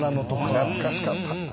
懐かしかったな。